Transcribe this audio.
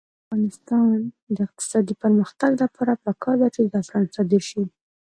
د افغانستان د اقتصادي پرمختګ لپاره پکار ده چې زعفران صادر شي.